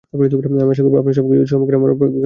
আমি আশা করব আপনি কিছু সময় অপেক্ষা করে আমাদের কথা শুনবেন।